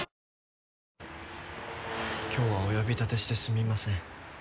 今日はお呼び立てしてすみません。